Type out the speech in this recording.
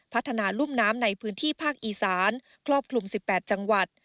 พัฒนารุ่มน้ำในพื้นที่ภาคอีสานครอบคลุม๑๘จังหวัด